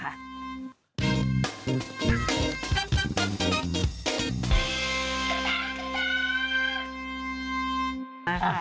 กลับมา